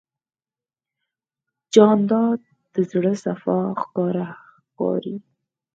جانداد د زړه صفا ښکاره ښکاري.